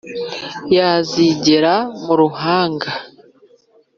Yazigera mu ruhanga,